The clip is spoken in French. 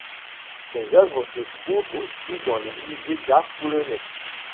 Ses œuvres se trouvent aussi dans les musées d'art polonais.